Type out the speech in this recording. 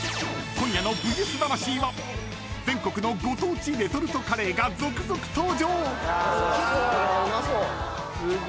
［今夜の『ＶＳ魂』は全国のご当地レトルトカレーが続々登場！］